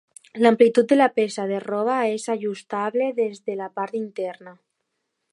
L'amplitud de la peça de roba és ajustable des de la part interna.